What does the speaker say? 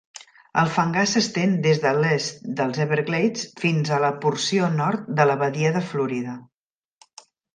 El fangar s'estén des de l'est dels Everglades, fins a la porció nord de la badia de Florida.